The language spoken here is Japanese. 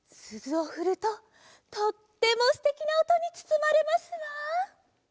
すずをふるととってもすてきなおとにつつまれますわ。